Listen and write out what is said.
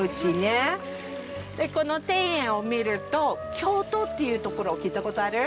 でこの庭園を見ると京都っていう所聞いた事ある？